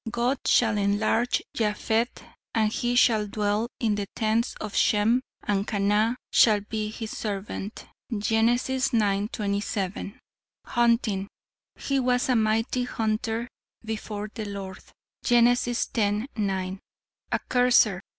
'God shall enlarge Japheth, and he shall dwell in the tents of Shem and Canaan shall be his servant.' Gen. ix, 27. "Hunting 'He was a mighty hunter before the Lord.' Gen. x, 9. "A curser.